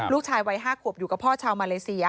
ลูกชายวัย๕ขวบอยู่กับพ่อชาวมาเลเซีย